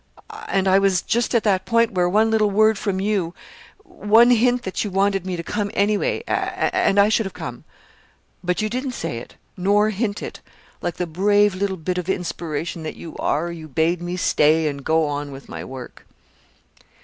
And I was just at that point where one little word from you, one hint that you wanted me to come anyway and I should have come. But you didn't say it, nor hint it. Like the brave little bit of inspiration that you are, you bade me stay and go on with my work."